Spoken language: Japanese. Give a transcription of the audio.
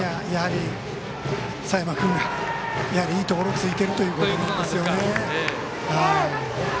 やはり佐山君いいところついてるということですね。